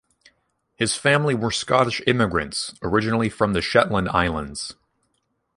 His family were Scottish immigrants, originally from the Shetland Islands.